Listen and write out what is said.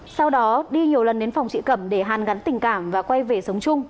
sau đó đi nhiều lần đến phòng trị cẩm để hàn gắn tình cảm và quay về sống chung